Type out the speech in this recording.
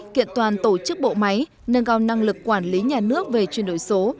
cấp bộ máy nâng cao năng lực quản lý nhà nước về chuyển đổi số